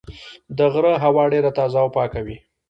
د غره هوا ډېره تازه او پاکه وي.